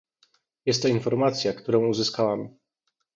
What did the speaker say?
Jest to informacja, którą uzyskałam